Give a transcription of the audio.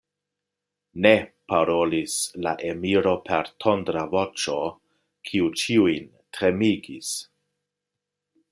Ne! parolis la emiro per tondra voĉo, kiu ĉiujn tremigis.